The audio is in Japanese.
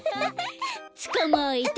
つかまえた。